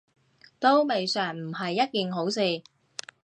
都未嘗唔係一件好事